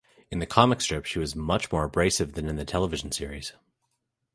In the comic strip, she was much more abrasive than in the television series.